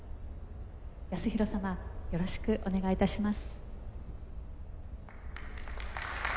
ヤスヒロ様、よろしくお願いいたします。